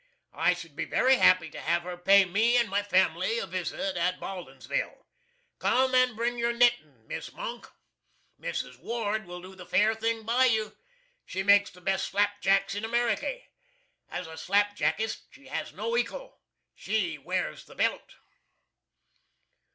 I should be very happy to have her pay me and my family a visit at Baldinsville. Come and bring your knittin', Miss MONK. Mrs. WARD will do the fair thing by you. She makes the best slap jacks in America. As a slap jackist, she has no ekal. She wears the Belt.